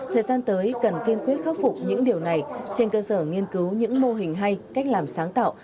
thời gian tới cần kiên quyết khắc phục những điều này trên cơ sở nghiên cứu những mô hình hay cách làm sáng tạo